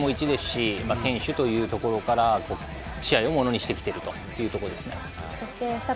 失点も１ですし堅守というところから試合をものにしてきているというところですね。